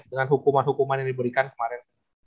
dengan hukuman hukuman yang diberikan kemarin